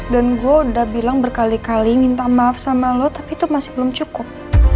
dan gue udah bilang berkali kali minta maaf sama lo tapi itu masih belum cukup